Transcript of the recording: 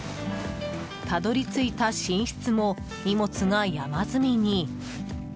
たどり着いた寝室も荷物が山積みに。